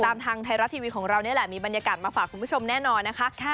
ทางไทยรัฐทีวีของเรานี่แหละมีบรรยากาศมาฝากคุณผู้ชมแน่นอนนะคะ